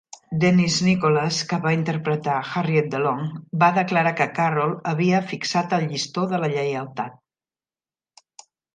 Denise Nicholas, que va interpretar Harriet Delong, va declarar que Carroll havia fixat el llistó de la lleialtat.